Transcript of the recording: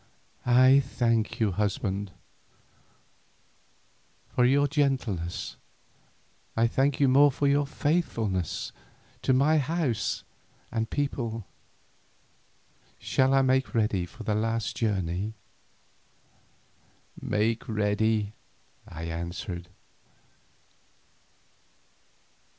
I thank you, husband, for your gentleness, I thank you more for your faithfulness to my house and people. Shall I make ready for our last journey?" "Make ready!" I answered.